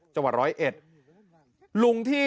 จังหวัด๑๐๑ลุงที่